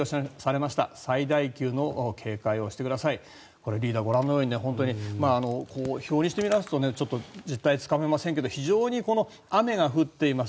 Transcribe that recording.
これ、リーダーご覧のように表にしてみますとちょっと実態がつかめませんけど非常に雨が降っています。